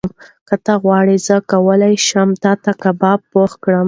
که ته غواړې، زه کولی شم تاته کباب پخ کړم.